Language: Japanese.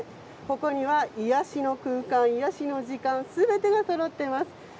ここには癒やしの空間癒やしの時間すべてがそろっています。